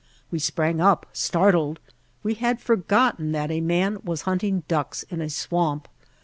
'iVe sprang up, startled; we had forgotten that a man was hunting ducks in a swamp.